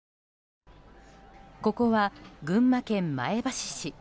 ここは群馬県前橋市。